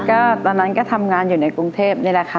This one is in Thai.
ก็ตอนนั้นก็ทำงานอยู่ในกรุงเทพนี่แหละค่ะ